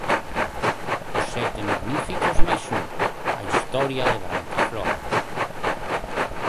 Os sete magníficos máis un: A historia de Brancaflor.